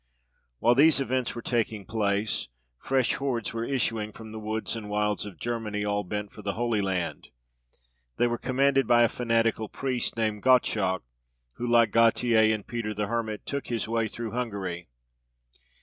While these events were taking place, fresh hordes were issuing from the woods and wilds of Germany, all bent for the Holy Land. They were commanded by a fanatical priest, named Gottschalk, who, like Gautier and Peter the Hermit, took his way through Hungary.